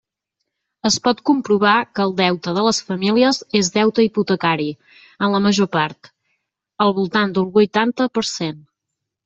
Es pot comprovar que el deute de les famílies és deute hipotecari en la major part, al voltant del huitanta per cent.